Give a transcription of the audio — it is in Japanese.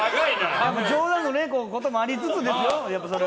冗談もありつつですよ。